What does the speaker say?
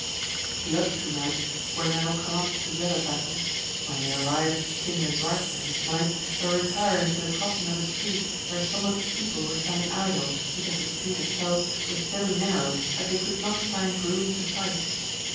The other two knights were now come up to the other battle ; when they arrived, King Lisuarte and his knights were retiring to the crossing of a street, where some of his people were standing idle, because the street itself was so narrow that they could not find room to fight.